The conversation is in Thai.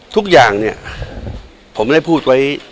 ทุกอย่างเนี่ยผมได้พูดไว้